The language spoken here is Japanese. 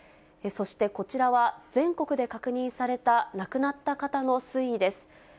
そして、こちらは全国で確認された、亡くなった方の推移です。